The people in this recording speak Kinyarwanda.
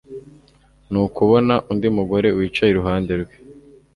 ni ukubona undi mugore wicaye iruhande rwe